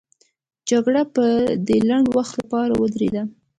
جګړه به د لنډ وخت لپاره ودرېده.